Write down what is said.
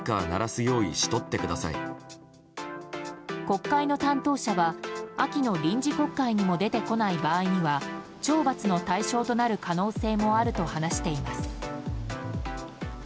国会の担当者は秋の臨時国会にも出てこない場合には懲罰の対象となる可能性もあると話しています。